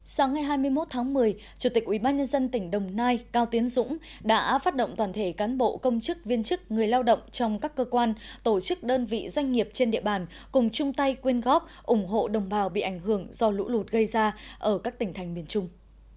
sáng ngày hai mươi một tháng một mươi chủ tịch ubnd tỉnh đồng nai cao tiến dũng đã phát động toàn thể cán bộ công chức viên chức người lao động trong các cơ quan tổ chức đơn vị doanh nghiệp trên địa bàn cùng chung tay quyên góp ủng hộ đồng bào bị ảnh hưởng do lũ lụt gây ra ở các tỉnh thành miền trung